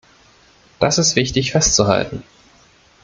Das ist wichtig festzuhalten.